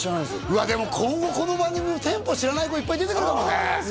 うわでも今後この番組も店舗知らない子いっぱい出てくるかもね